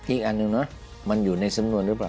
อีกอันหนึ่งนะมันอยู่ในสำนวนหรือเปล่า